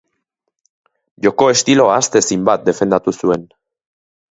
Joko estilo ahaztezin bat defendatu zuen.